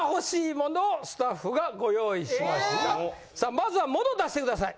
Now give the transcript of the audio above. まずは物を出してください！